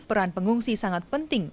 peran pengungsi sangat penting